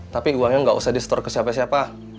tapi uangnya nggak usah di store ke siapa siapa